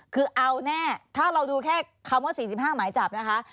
คือเอาแน่ถ้าเราดูแค่คำว่า๔๕หมายจับนะคะ